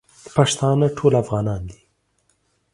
پښتانه ټول افغانان دي